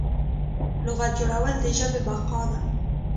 لغت جوړول د ژبې بقا ده.